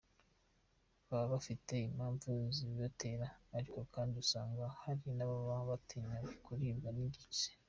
Baba bafite impamvu zibibatera, ariko kandi usanga hari n’ababa batinya kuribwa n’igise.